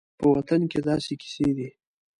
په وطن کې دا کیسې دي